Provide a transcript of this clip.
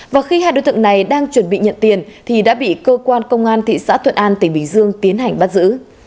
và khi hai đối tượng này đang chuẩn bị nhận tiền thì đã bị cơ quan công an thị xã thuận an tỉnh bình dương tiến hành bắt giữ